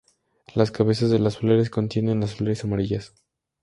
Las cabezas de las flores contienen las flores amarillas.